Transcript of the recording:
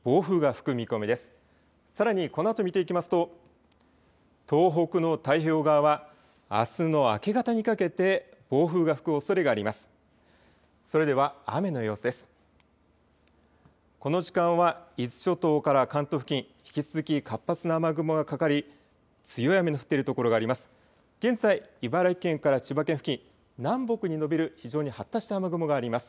この時間は伊豆諸島から関東付近、引き続き活発な雨雲がかかり強い雨の降っている所があります。